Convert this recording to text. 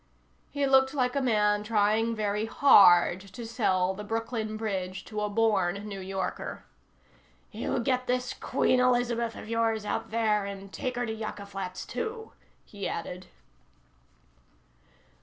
He looked like a man trying very hard to sell the Brooklyn Bridge to a born New Yorker. "You get this Queen Elizabeth of yours out of there and take her to Yucca Flats, too," he added.